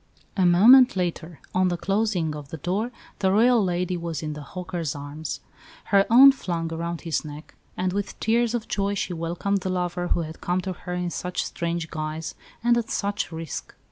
A moment later, on the closing of the door, the Royal lady was in the "hawker's" arms, her own flung around his neck, as with tears of joy she welcomed the lover who had come to her in such strange guise and at such risk.